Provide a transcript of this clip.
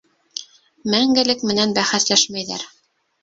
Мәңгелек менән бәхәсләшмәйҙәр.